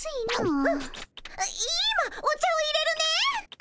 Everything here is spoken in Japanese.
い今お茶をいれるね。